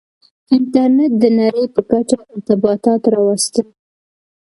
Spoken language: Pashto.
• انټرنېټ د نړۍ په کچه ارتباطات راوستل.